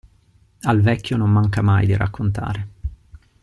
Al vecchio non manca mai di raccontare.